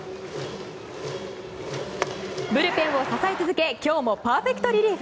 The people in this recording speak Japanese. ブルペンを支え続け今日もパーフェクトリリーフ。